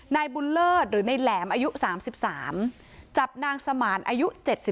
นายบุญเลิศหรือนายแหลมอายุ๓๓จับนางสมานอายุ๗๒